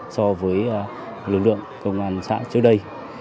so với lực lượng công an xã trước đây